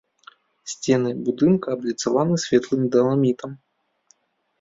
Сцены будынка абліцаваны светлым даламітам.